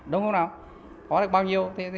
đúng không nào có được bao nhiêu